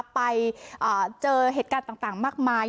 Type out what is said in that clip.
ไปเจอเหตุการณ์ต่างมากมาย